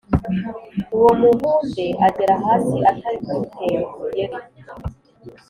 Uwo muhunde agera hasi atagitera umugeli,